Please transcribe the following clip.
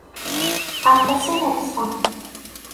Aṭas i neḍsa.